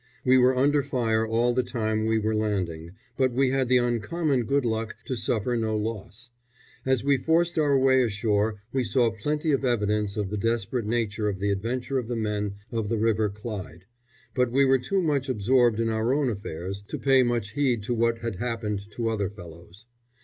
We were under fire all the time we were landing, but we had the uncommon good luck to suffer no loss. As we forced our way ashore we saw plenty of evidence of the desperate nature of the adventure of the men of the River Clyde; but we were too much absorbed in our own affairs to pay much heed to what had happened to other fellows.